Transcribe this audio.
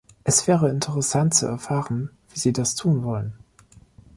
Es wäre interessant zu erfahren, wie sie das tun wollen.